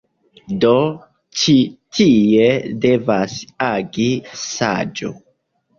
Do, ĉi tie devas agi saĝo.